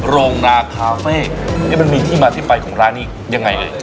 โรงนาคาเฟ่นี่มันมีที่มาที่ไปของร้านนี้ยังไงเอ่ย